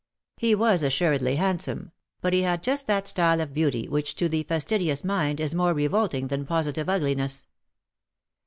He was assuredly handsome — but he had just that style of beauty which to the fastidious mind is more revolting than positive ugliness.